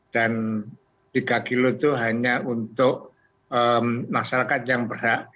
dan tiga kg itu hanya untuk masyarakat yang berat